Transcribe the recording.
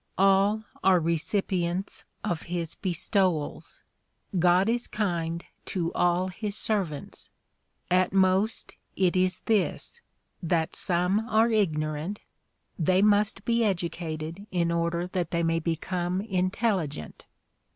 All are recipients of his bestowals. God is kind to all his servants. At most it is this, that some are ignorant; they must be educated in order that they may become intelligent.